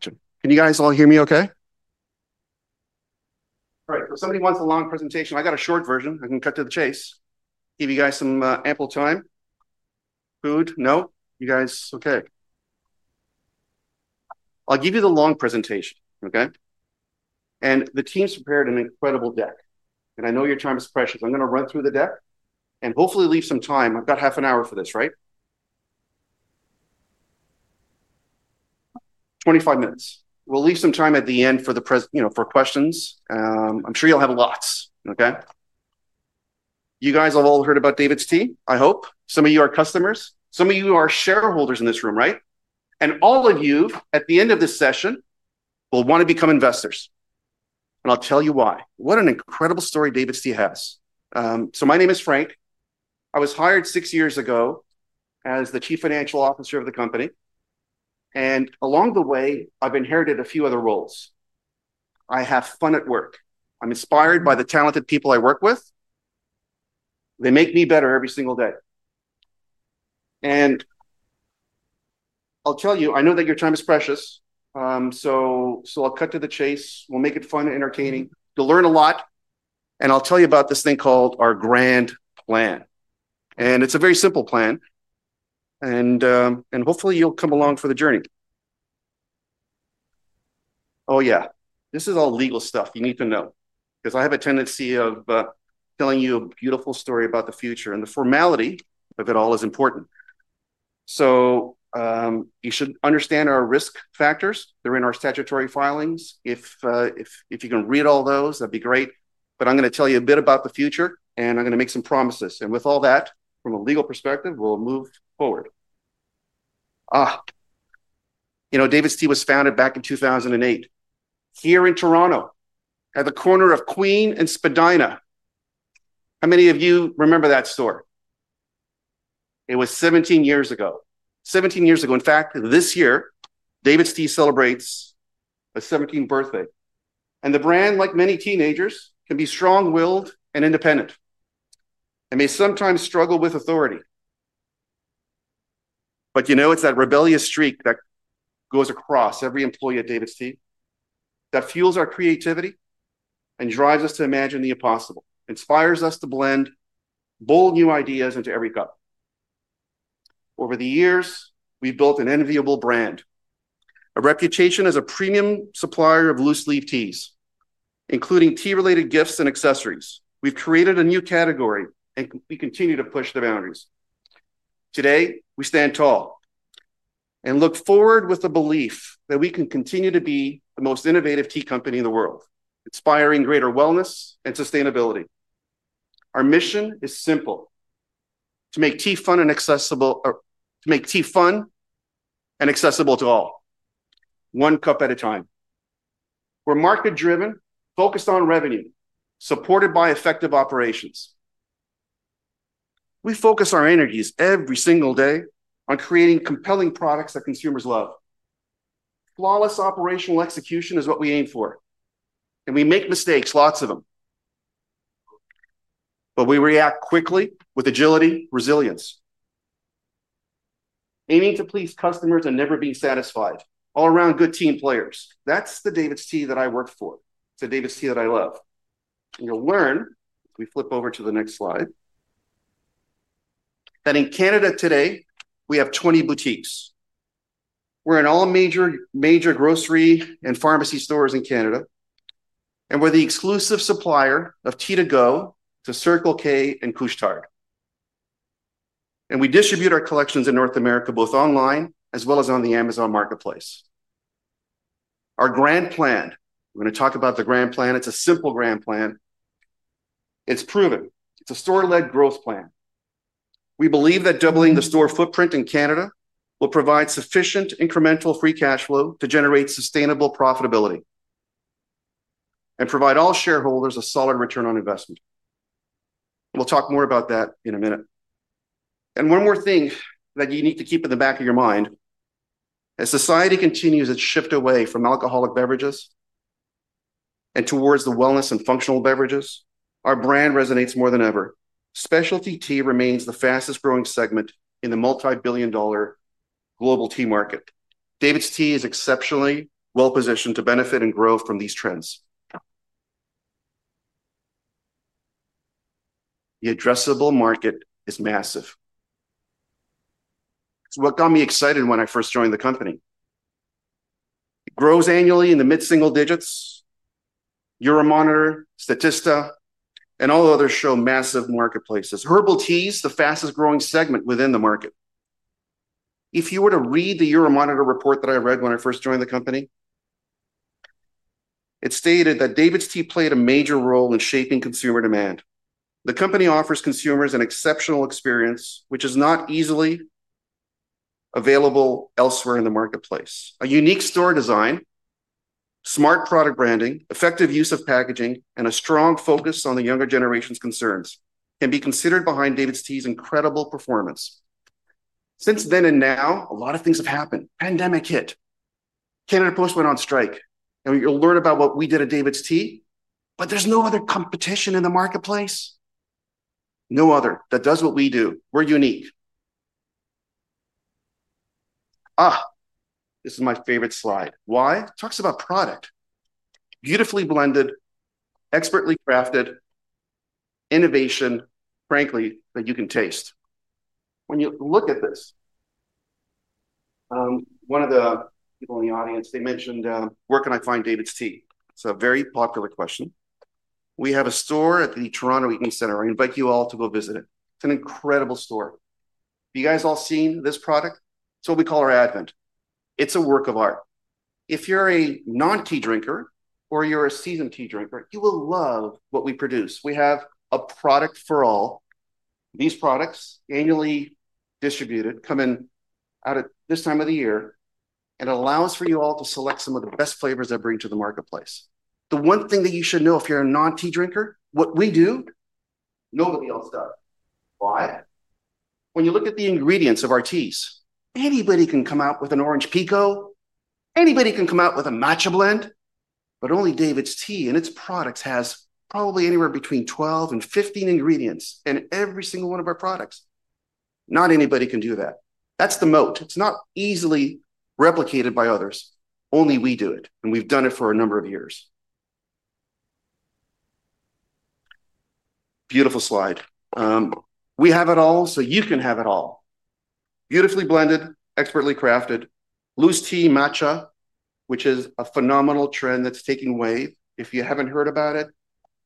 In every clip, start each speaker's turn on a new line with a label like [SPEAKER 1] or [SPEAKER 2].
[SPEAKER 1] Can you guys all hear me okay? All right. If somebody wants a long presentation, I got a short version. I can cut to the chase, give you guys some ample time. Food? No? You guys okay? I'll give you the long presentation. Okay. The team's prepared an incredible deck. I know your time is precious. I'm going to run through the deck and hopefully leave some time. I've got half an hour for this, right? 25 minutes. We'll leave some time at the end for the present, you know, for questions. I'm sure you'll have lots. You guys have all heard about DAVIDsTEA, I hope. Some of you are customers. Some of you are shareholders in this room, right? All of you, at the end of this session, will want to become investors. I'll tell you why. What an incredible story DAVIDsTEA has. My name is Frank. I was hired six years ago as the Chief Financial Officer of the company. Along the way, I've inherited a few other roles. I have fun at work. I'm inspired by the talented people I work with. They make me better every single day. I know that your time is precious. I'll cut to the chase. We'll make it fun and entertaining. You'll learn a lot. I'll tell you about this thing called our grand plan. It's a very simple plan. Hopefully, you'll come along for the journey. Oh, yeah. This is all legal stuff you need to know because I have a tendency of telling you a beautiful story about the future. The formality of it all is important. You should understand our risk factors. They're in our statutory filings. If you can read all those, that'd be great. I'm going to tell you a bit about the future. I'm going to make some promises. With all that, from a legal perspective, we'll move forward. DAVIDsTEA was founded back in 2008 here in Toronto at the corner of Queen and Spadina. How many of you remember that store? It was 17 years ago. 17 years ago. In fact, this year, DAVIDsTEA celebrates a 17th birthday. The brand, like many teenagers, can be strong-willed and independent and may sometimes struggle with authority. It's that rebellious streak that goes across every employee at DAVIDsTEA that fuels our creativity and drives us to imagine the impossible, inspires us to blend bold new ideas into every cup. Over the years, we've built an enviable brand, a reputation as a premium supplier of loose-leaf teas, including tea-related gifts and accessories. We've created a new category, and we continue to push the boundaries. Today, we stand tall and look forward with the belief that we can continue to be the most innovative tea company in the world, inspiring greater wellness and sustainability. Our mission is simple: to make tea fun and accessible, to make tea fun and accessible to all, one cup at a time. We're market-driven, focused on revenue, supported by effective operations. We focus our energies every single day on creating compelling products that consumers love. Flawless operational execution is what we aim for. We make mistakes, lots of them. We react quickly with agility, resilience, aiming to please customers and never be satisfied. All-around good team players. That's the DAVIDsTEA that I work for. It's a DAVIDsTEA that I love. You'll learn, if we flip over to the next slide, that in Canada today, we have 20 boutiques. We're in all major grocery and pharmacy stores in Canada. We're the exclusive supplier of tea to go, to Circle K and Couche-Tard. We distribute our collections in North America, both online as well as on the Amazon Marketplace. Our grand plan, we're going to talk about the grand plan. It's a simple grand plan. It's proven. It's a store-led growth plan. We believe that doubling the store footprint in Canada will provide sufficient incremental free cash flow to generate sustainable profitability and provide all shareholders a solid return on investment. We'll talk more about that in a minute. One more thing that you need to keep in the back of your mind. As society continues its shift away from alcoholic beverages and towards the wellness and functional beverages, our brand resonates more than ever. Specialty tea remains the fastest-growing segment in the multi-billion dollar global tea market. DAVIDsTEA is exceptionally well-positioned to benefit and grow from these trends. The addressable market is massive. It's what got me excited when I first joined the company. It grows annually in the mid-single digits. Euromonitor, Statista, and all the others show massive marketplaces. Herbal tea is the fastest-growing segment within the market. If you were to read the Euromonitor report that I read when I first joined the company, it stated that DAVIDsTEA played a major role in shaping consumer demand. The company offers consumers an exceptional experience, which is not easily available elsewhere in the marketplace. A unique store design, smart product branding, effective use of packaging, and a strong focus on the younger generation's concerns can be considered behind DAVIDsTEA's incredible performance. Since then and now, a lot of things have happened. Pandemic hit. Canada Post went on strike. You'll learn about what we did at DAVIDsTEA. There's no other competition in the marketplace. No other that does what we do. We're unique. This is my favorite slide. Why? It talks about product. Beautifully blended, expertly crafted, innovation, frankly, that you can taste. When you look at this, one of the people in the audience, they mentioned, "Where can I find DAVIDsTEA?" It's a very popular question. We have a store at the Toronto Eaton Centre. I invite you all to go visit it. It's an incredible store. Have you guys all seen this product? It's what we call our advent. It's a work of art. If you're a non-tea drinker or you're a seasoned tea drinker, you will love what we produce. We have a product for all. These products, annually distributed, come in at this time of the year. It allows for you all to select some of the best flavors that bring to the marketplace. The one thing that you should know if you're a non-tea drinker, what we do, nobody else does. Why? When you look at the ingredients of our teas, anybody can come out with an orange pekoe. Anybody can come out with a matcha blend. Only DAVIDsTEA and its products have probably anywhere between 12 and 15 ingredients in every single one of our products. Not anybody can do that. That's the moat. It's not easily replicated by others. Only we do it. We've done it for a number of years. Beautiful slide. We have it all, so you can have it all. Beautifully blended, expertly crafted, loose tea matcha, which is a phenomenal trend that's taking wave. If you haven't heard about it,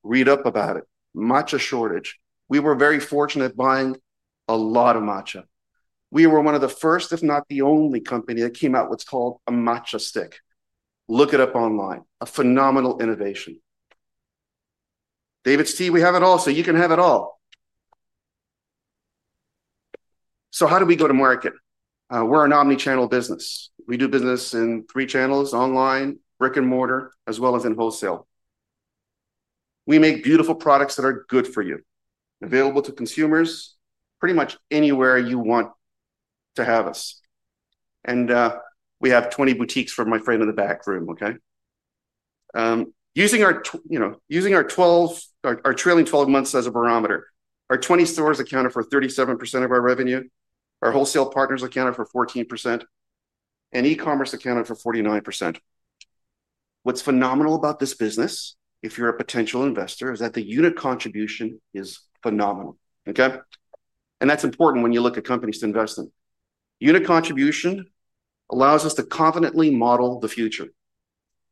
[SPEAKER 1] read up about it. Matcha shortage. We were very fortunate buying a lot of matcha. We were one of the first, if not the only, company that came out with what's called a matcha stick. Look it up online. A phenomenal innovation. DAVIDsTEA, we have it all, so you can have it all. How do we go to market? We're an omnichannel business. We do business in three channels: online, brick and mortar, as well as in wholesale. We make beautiful products that are good for you, available to consumers pretty much anywhere you want to have us. We have 20 boutiques for my friend in the back room. Okay. Using our trailing 12 months as a barometer, our 20 stores accounted for 37% of our revenue. Our wholesale partners accounted for 14%, and e-commerce accounted for 49%. What's phenomenal about this business, if you're a potential investor, is that the unit contribution is phenomenal. That's important when you look at companies to invest in. Unit contribution allows us to confidently model the future,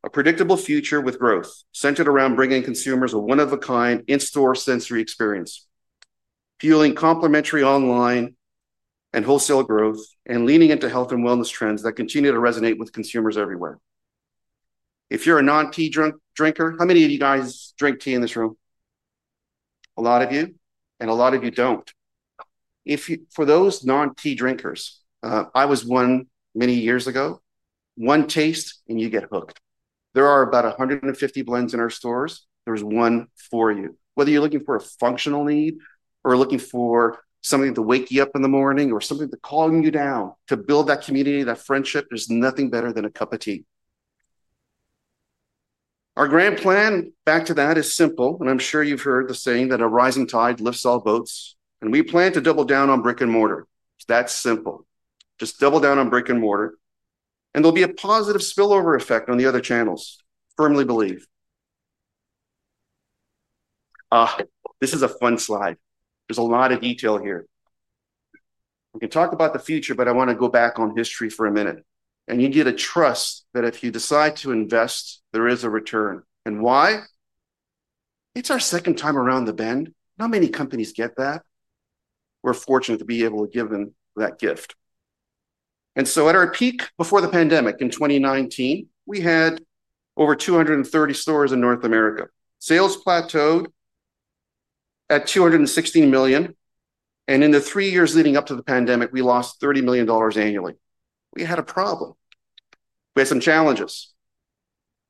[SPEAKER 1] a predictable future with growth centered around bringing consumers a one-of-a-kind in-store sensory experience, fueling complementary online and wholesale growth, and leaning into health and wellness trends that continue to resonate with consumers everywhere. If you're a non-tea drinker, how many of you guys drink tea in this room? A lot of you. And a lot of you don't. For those non-tea drinkers, I was one many years ago. One taste, and you get hooked. There are about 150 blends in our stores. There's one for you. Whether you're looking for a functional need or looking for something to wake you up in the morning or something to calm you down, to build that community, that friendship, there's nothing better than a cup of tea. Our grand plan, back to that, is simple. I'm sure you've heard the saying that a rising tide lifts all boats. We plan to double down on brick and mortar. That's simple. Just double down on brick and mortar. There'll be a positive spillover effect on the other channels, firmly believe. This is a fun slide. There's a lot of detail here. We can talk about the future, but I want to go back on history for a minute. You get to trust that if you decide to invest, there is a return. Why? It's our second time around the bend. Not many companies get that. We're fortunate to be able to give them that gift. At our peak before the pandemic in 2019, we had over 230 stores in North America. Sales plateaued at 216 million. In the three years leading up to the pandemic, we lost 30 million dollars annually. We had a problem. We had some challenges.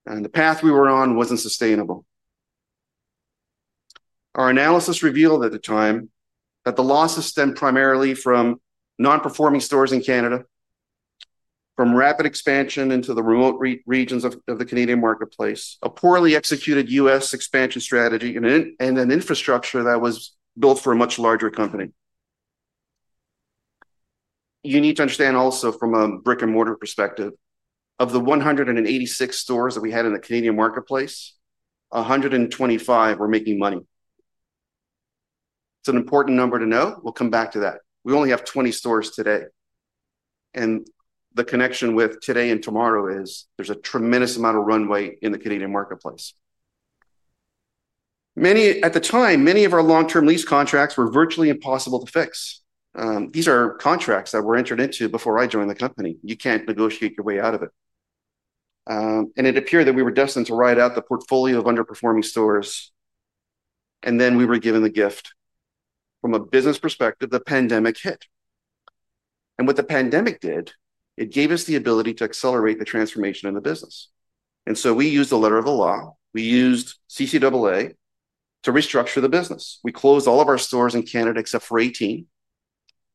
[SPEAKER 1] The path we were on wasn't sustainable. Our analysis revealed at the time that the losses stemmed primarily from non-performing stores in Canada, from rapid expansion into the remote regions of the Canadian marketplace, a poorly executed U.S. expansion strategy, and an infrastructure that was built for a much larger company. You need to understand also from a brick-and-mortar perspective, of the 186 stores that we had in the Canadian marketplace, 125 were making money. It's an important number to know. We'll come back to that. We only have 20 stores today. The connection with today and tomorrow is there's a tremendous amount of runway in the Canadian marketplace. At the time, many of our long-term lease contracts were virtually impossible to fix. These are contracts that were entered into before I joined the company. You can't negotiate your way out of it. It appeared that we were destined to ride out the portfolio of underperforming stores. We were given the gift. From a business perspective, the pandemic hit. What the pandemic did, it gave us the ability to accelerate the transformation in the business. We used the letter of the law. We used CCAA to restructure the business. We closed all of our stores in Canada except for 18.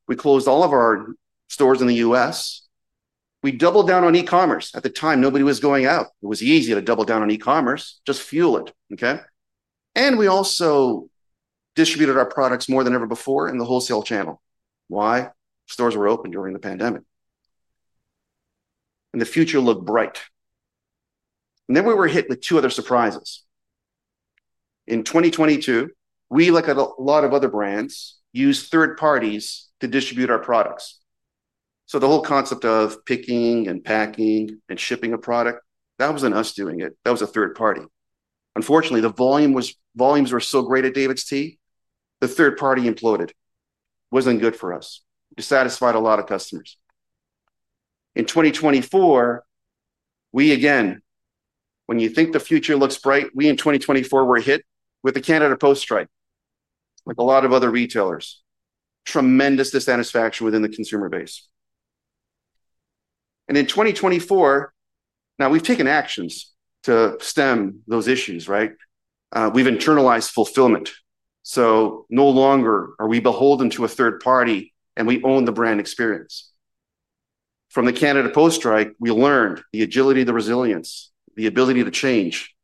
[SPEAKER 1] We closed all of our stores in the U.S. We doubled down on e-commerce. At the time, nobody was going out. It was easy to double down on e-commerce. Just fuel it. We also distributed our products more than ever before in the wholesale channel. Why? Stores were open during the pandemic. The future looked bright. We were hit with two other surprises. In 2022, we, like a lot of other brands, use third parties to distribute our products. The whole concept of picking and packing and shipping a product, that wasn't us doing it. That was a third party. Unfortunately, the volumes were so great at DAVIDsTEA, the third party imploded. Wasn't good for us. Dissatisfied a lot of customers. In 2024, when you think the future looks bright, we in 2024 were hit with the Canada Post strike, like a lot of other retailers. Tremendous dissatisfaction within the consumer base. In 2024, now we've taken actions to stem those issues, right? We've internalized fulfillment. No longer are we beholden to a third party, and we own the brand experience. From the Canada Post strike, we learned the agility, the resilience, the ability to change.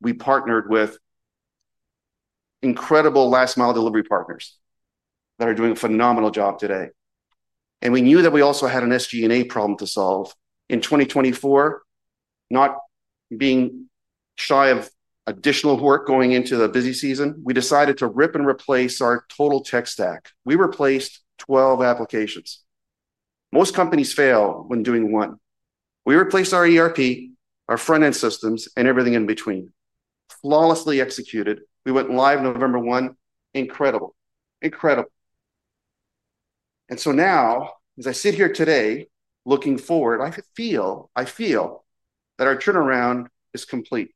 [SPEAKER 1] We partnered with incredible last-mile delivery partners that are doing a phenomenal job today. We knew that we also had an SG&A problem to solve. In 2024, not being shy of additional work going into the busy season, we decided to rip and replace our total tech stack. We replaced 12 applications. Most companies fail when doing one. We replaced our ERP, our front-end systems, and everything in between. Flawlessly executed. We went live November 1. Incredible. Incredible. As I sit here today, looking forward, I feel that our turnaround is complete.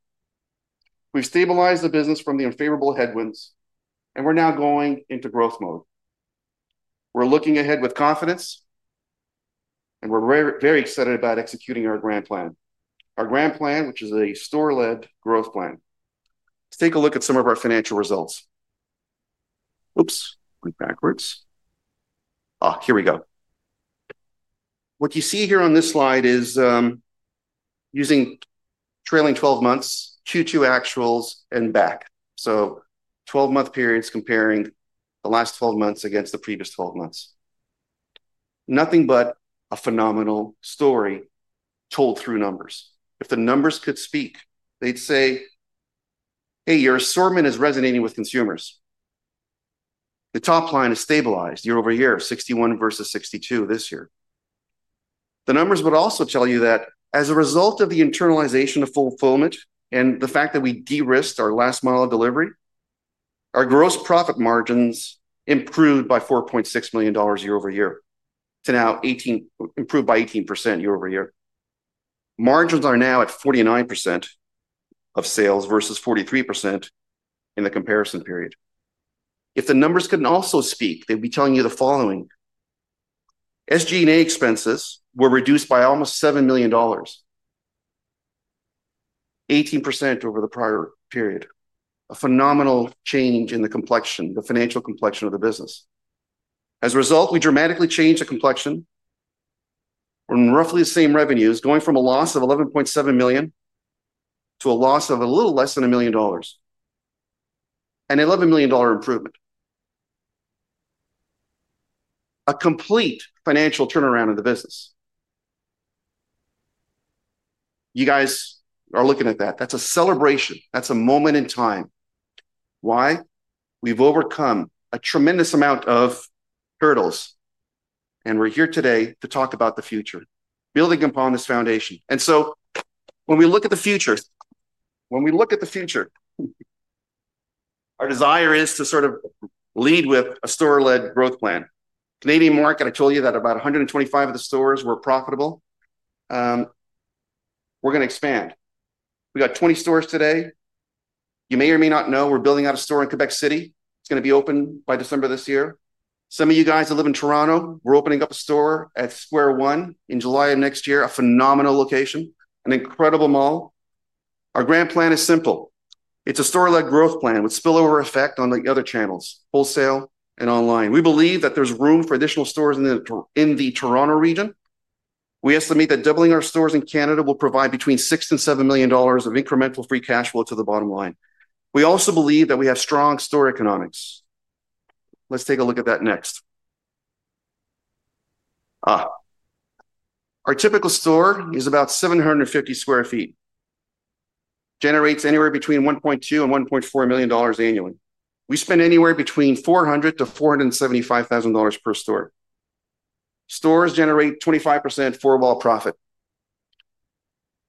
[SPEAKER 1] We've stabilized the business from the unfavorable headwinds, and we're now going into growth mode. We're looking ahead with confidence, and we're very excited about executing our grand plan. Our grand plan, which is a store-led growth plan. Let's take a look at some of our financial results. What you see here on this slide is using trailing 12 months, Q2 actuals, and back. So 12-month periods comparing the last 12 months against the previous 12 months. Nothing but a phenomenal story told through numbers. If the numbers could speak, they'd say, "Hey, your assortment is resonating with consumers. The top line is stabilized year-over-year, 61 versus 62 this year." The numbers would also tell you that as a result of the internalization of fulfillment and the fact that we de-risked our last mile of delivery, our gross profit margins improved by 4.6 million dollars year-over-year to now 18%, improved by 18% year-over-year. Margins are now at 49% of sales versus 43% in the comparison period. If the numbers could also speak, they'd be telling you the following. SG&A expenses were reduced by almost 7 million dollars, 18% over the prior period. A phenomenal change in the complexion, the financial complexion of the business. As a result, we dramatically changed the complexion from roughly the same revenues, going from a loss of 11.7 million to a loss of a little less than 1 million dollars and an 11 million dollar improvement. A complete financial turnaround in the business. You guys are looking at that. That's a celebration. That's a moment in time. Why? We've overcome a tremendous amount of hurdles. We're here today to talk about the future, building upon this foundation. When we look at the future, our desire is to sort of lead with a store-led growth plan. Canadian market, I told you that about 125 of the stores were profitable. We're going to expand. We got 20 stores today. You may or may not know, we're building out a store in Quebec City. It's going to be open by December this year. Some of you guys that live in Toronto, we're opening up a store at Square One in July of next year. A phenomenal location. An incredible mall. Our grand plan is simple. It's a store-led growth plan with spillover effect on the other channels, wholesale and online. We believe that there's room for additional stores in the Toronto region. We estimate that doubling our stores in Canada will provide between 6 million and 7 million dollars of incremental free cash flow to the bottom line. We also believe that we have strong store economics. Let's take a look at that next. Our typical store is about 750 square feet, generates anywhere between 1.2 million and 1.4 million dollars annually. We spend anywhere between 400,000-475,000 dollars per store. Stores generate 25% four-wall profit.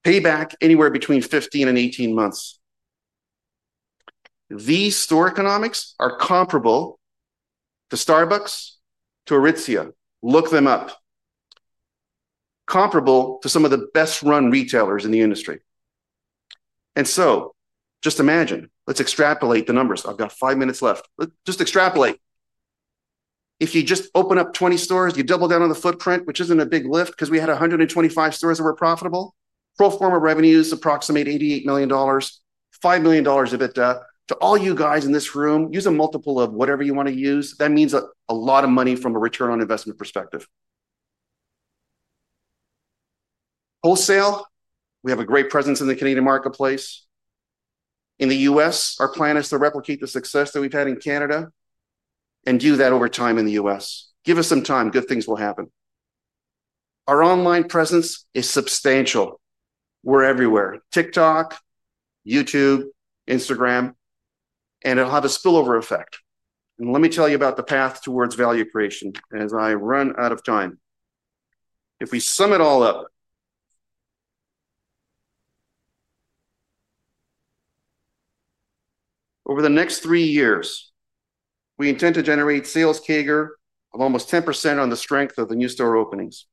[SPEAKER 1] Payback anywhere between 15 and 18 months. These store economics are comparable to Starbucks, to Aritzia. Look them up. Comparable to some of the best-run retailers in the industry. Just imagine, let's extrapolate the numbers. I've got five minutes left. Just extrapolate. If you just open up 20 stores, you double down on the footprint, which isn't a big lift because we had 125 stores that were profitable. Pro forma revenues approximate CAD 88 million, 5 million dollars if it does. To all you guys in this room, use a multiple of whatever you want to use. That means a lot of money from a return on investment perspective. Wholesale, we have a great presence in the Canadian marketplace. In the U.S., our plan is to replicate the success that we've had in Canada and do that over time in the U.S. Give us some time. Good things will happen. Our online presence is substantial. We're everywhere: TikTok, YouTube, Instagram, and it'll have a spillover effect. Let me tell you about the path towards value creation as I run out of time. If we sum it all up, over the next three years, we intend to generate sales CAGR of almost 10% on the strength of the new store openings.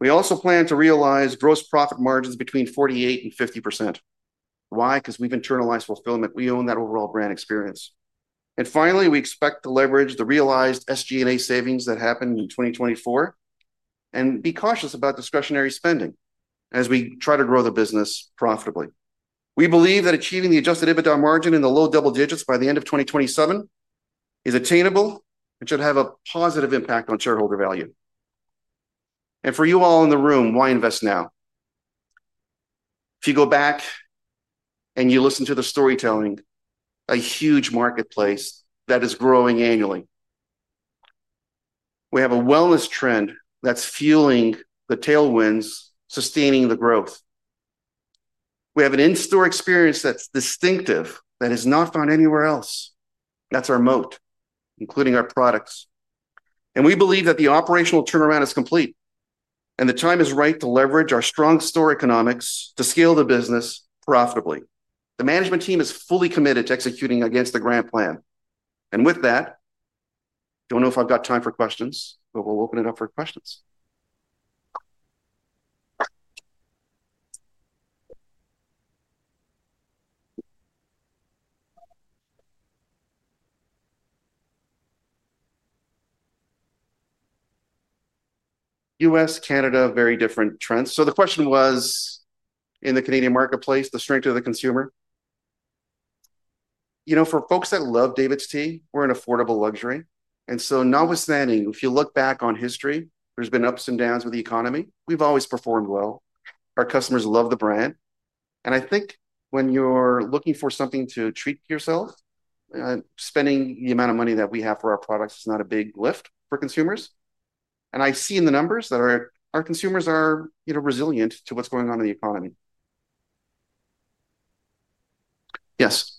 [SPEAKER 1] We also plan to realize gross profit margins between 48% and 50%. Why? Because we've internalized fulfillment. We own that overall brand experience. Finally, we expect to leverage the realized SG&A savings that happened in 2024 and be cautious about discretionary spending as we try to grow the business profitably. We believe that achieving the adjusted EBITDA margin in the low double digits by the end of 2027 is attainable and should have a positive impact on shareholder value. For you all in the room, why invest now? If you go back and you listen to the storytelling, a huge marketplace that is growing annually. We have a wellness trend that's fueling the tailwinds, sustaining the growth. We have an in-store experience that's distinctive that is not found anywhere else. That's our moat, including our products. We believe that the operational turnaround is complete. The time is right to leverage our strong store economics to scale the business profitably. The management team is fully committed to executing against the grand plan. I don't know if I've got time for questions, but we'll open it up for questions. U.S., Canada, very different trends. The question was, in the Canadian marketplace, the strength of the consumer? For folks that love DAVIDsTEA, we're an affordable luxury. Notwithstanding, if you look back on history, there have been ups and downs with the economy. We've always performed well. Our customers love the brand. I think when you're looking for something to treat yourself, spending the amount of money that we have for our products is not a big lift for consumers. I see in the numbers that our consumers are resilient to what's going on in the economy. Yes.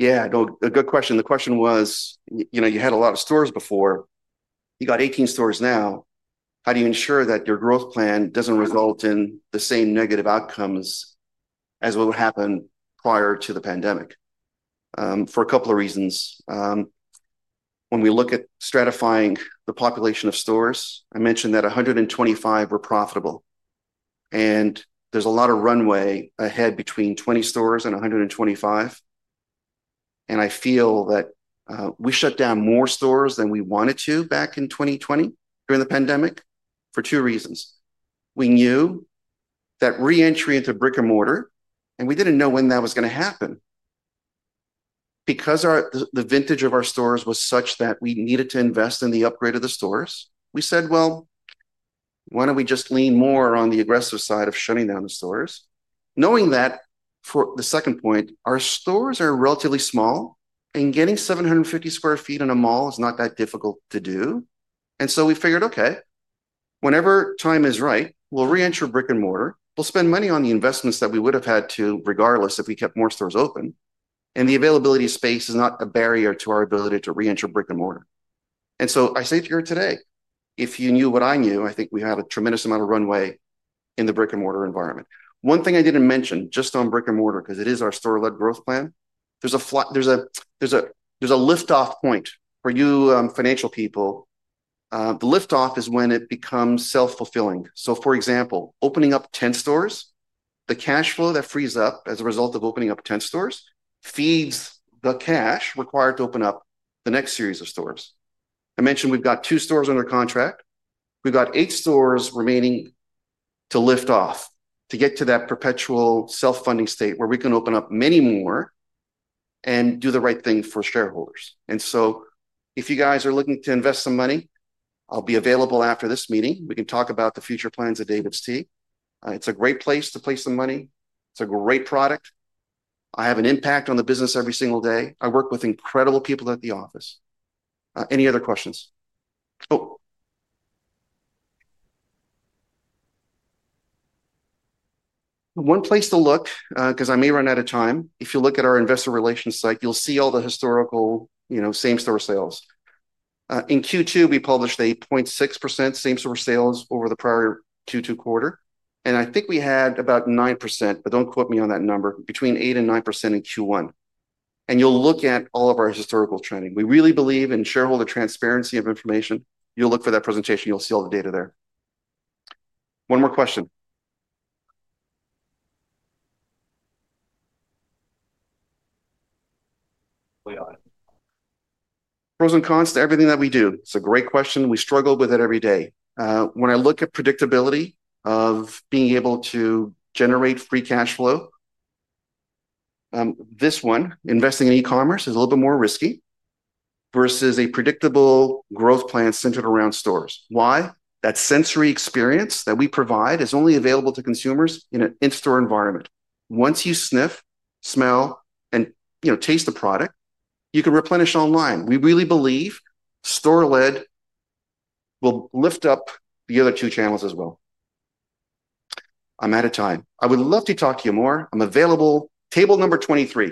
[SPEAKER 1] Good question. The question was, you had a lot of stores before. You have 18 stores now. How do you ensure that your growth plan doesn't result in the same negative outcomes as what happened prior to the pandemic? For a couple of reasons. When we look at stratifying the population of stores, I mentioned that 125 were profitable. There's a lot of runway ahead between 20 stores and 125. I feel that we shut down more stores than we wanted to back in 2020 during the pandemic for two reasons. We knew that reentry into brick-and-mortar, and we didn't know when that was going to happen. Because the vintage of our stores was such that we needed to invest in the upgrade of the stores, we said, why don't we just lean more on the aggressive side of shutting down the stores? Knowing that, for the second point, our stores are relatively small and getting 750 sq ftin a mall is not that difficult to do. We figured, whenever time is right, we'll re-enter brick-and-mortar. We'll spend money on the investments that we would have had to regardless if we kept more stores open. The availability of space is not a barrier to our ability to re-enter brick-and-mortar. I think today, if you knew what I knew, we have a tremendous amount of runway in the brick-and-mortar environment. One thing I didn't mention, just on brick-and-mortar, because it is our store-led growth plan, there's a lift-off point for you financial people. The lift-off is when it becomes self-fulfilling. For example, opening up 10 stores, the cash flow that frees up as a result of opening up 10 stores feeds the cash required to open up the next series of stores. I mentioned we've got two stores under contract. We've got eight stores remaining to lift off to get to that perpetual self-funding state where we can open up many more and do the right thing for shareholders. If you guys are looking to invest some money, I'll be available after this meeting. We can talk about the future plans of DAVIDsTEA. It's a great place to place some money. It's a great product. I have an impact on the business every single day. I work with incredible people at the office. Any other questions? One place to look, because I may run out of time, if you look at our investor relations site, you'll see all the historical, you know, same-store sales. In Q2, we published 8.6% same-store sales over the prior Q2 quarter. I think we had about 9%, but don't quote me on that number, between 8% and 9% in Q1. You'll look at all of our historical trending. We really believe in shareholder transparency of information. You'll look for that presentation. You'll see all the data there. One more question. Pros and cons to everything that we do. It's a great question. We struggle with it every day. When I look at predictability of being able to generate free cash flow, this one, investing in e-commerce, is a little bit more risky versus a predictable growth plan centered around stores. Why? That sensory experience that we provide is only available to consumers in an in-store environment. Once you sniff, smell, and, you know, taste the product, you can replenish online. We really believe store-led will lift up the other two channels as well. I'm out of time. I would love to talk to you more. I'm available, table number 23.